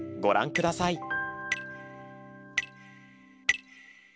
ご覧ください。